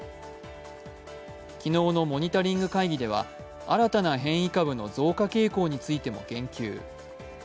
昨日のモニタリング会議では新たな変異株の増加傾向についても言及。